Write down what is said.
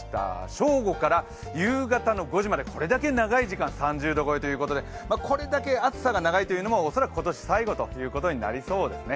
正午から夕方の５時まで、これだけ長い時間、３０度超えということでこれだけ暑さが長いということも今年最後とおそらくなりそうです。